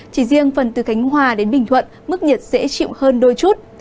chỉ riêng phần từ khánh hòa đến bình thuận mức nhiệt sẽ chịu hơn đôi chút